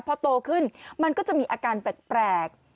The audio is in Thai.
พอโตขึ้นมันก็จะมีอาการแปลก